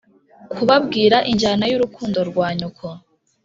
kubabwira injyana y'urukundo rwa nyoko